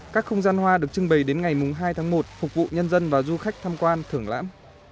các không gian hoa được trưng bày đến ngày hai tháng một phục vụ nhân dân và du khách tham quan thưởng lãm